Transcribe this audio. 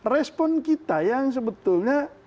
respon kita yang sebetulnya